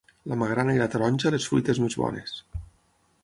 La magrana i la taronja, les fruites més bones.